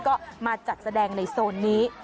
ก็มาจัดแสดงในโซนนี้